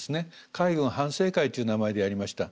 海軍反省会という名前でやりました。